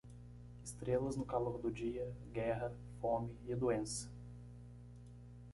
Estrelas no calor do dia, guerra, fome e doença.